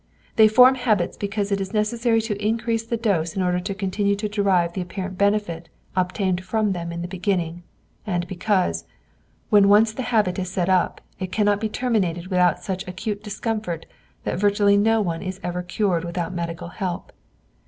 They form habits because it is necessary to increase the dose in order to continue to derive the apparent benefit obtained from them in the beginning, and because, when once the habit is set up, it cannot be terminated without such acute discomfort that virtually no one is ever cured without medical help.